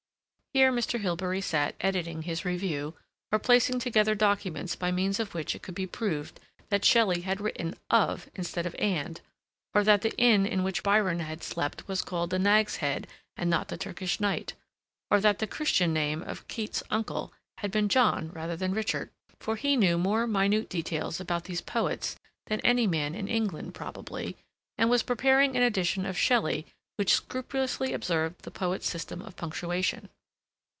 Here Mr. Hilbery sat editing his review, or placing together documents by means of which it could be proved that Shelley had written "of" instead of "and," or that the inn in which Byron had slept was called the "Nag's Head" and not the "Turkish Knight," or that the Christian name of Keats's uncle had been John rather than Richard, for he knew more minute details about these poets than any man in England, probably, and was preparing an edition of Shelley which scrupulously observed the poet's system of punctuation.